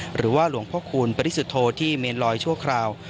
หรือว่าหลวงพระคูณปฤศโธที่เมลอยชั่วคราว